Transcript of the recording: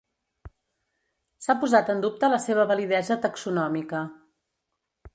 S'ha posat en dubte la seva validesa taxonòmica.